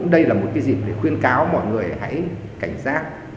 đây là một dịp để khuyến cáo mọi người hãy cảnh giác